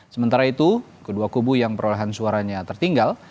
sementara itu kedua kubu yang perolehan suaranya tertinggal